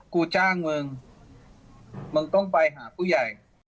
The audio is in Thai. กูจ้างมึงมึงต้องไปหาผู้ใหญ่